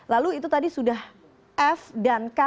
lalu itu tadi sudah f dan k